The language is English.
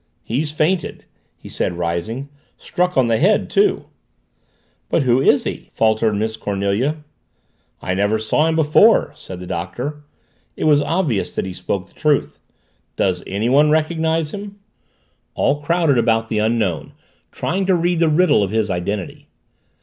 "He's fainted!" he said, rising. "Struck on the head, too." "But who is he?" faltered Miss Cornelia. "I never saw him before," said the Doctor. It was obvious that he spoke the truth. "Does anyone recognize him?" All crowded about the Unknown, trying to read the riddle of his identity.